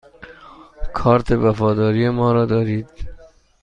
کارت وفاداری ما را دارید؟